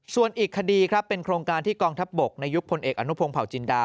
ส่วนอีกคดีครับเป็นโครงการที่กองทัพบกในยุคพลเอกอนุพงศ์เผาจินดา